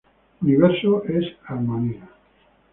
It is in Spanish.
Universo es armonía.